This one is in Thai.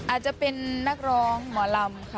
อาจจะเป็นนักร้องหมอลำค่ะ